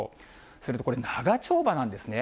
すると、これ、長丁場なんですね。